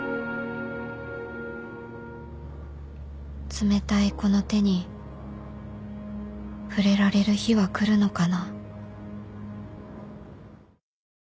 冷たいこの手に触れられる日は来るのかな